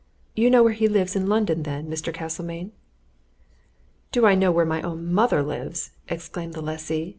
"You know where he lives in London, then, Mr. Castlemayne?" "Do I know where my own mother lives!" exclaimed the lessee.